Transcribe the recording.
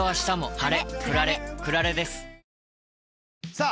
さあ